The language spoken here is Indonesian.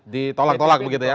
ditolak tolak begitu ya